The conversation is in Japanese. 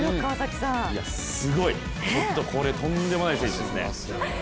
ちょっとこれ、とんでもない選手ですね。